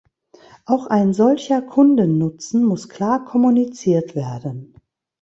Auch ein solcher Kundennutzen muss klar kommuniziert werden.